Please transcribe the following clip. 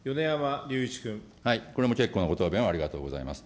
これも結構なご答弁をありがとうございます。